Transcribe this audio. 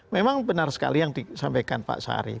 memang benar sekali yang disampaikan pak sari